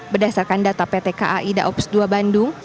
berdasarkan data pt kai daops dua bandung